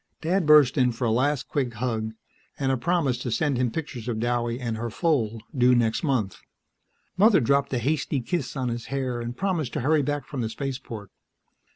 Dad burst in for a last quick hug and a promise to send him pictures of Douwie and her foal, due next month; Mother dropped a hasty kiss on his hair and promised to hurry back from the Spaceport.